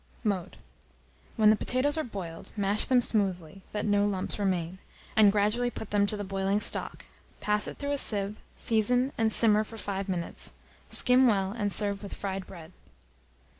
Mode. When the potatoes are boiled, mash them smoothly, that no lumps remain, and gradually put them to the boiling stock; pass it through a sieve, season, and simmer for 5 minutes. Skim well, and serve with fried bread.